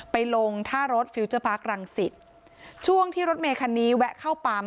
ไปลงท่ารถฟิลเจอร์พาร์ครังสิตช่วงที่รถเมคันนี้แวะเข้าปั๊ม